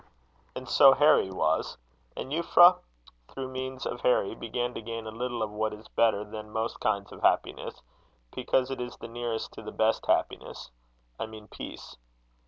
And so Harry was. And Euphra, through means of Harry, began to gain a little of what is better than most kinds of happiness, because it is nearest to the best happiness I mean peace.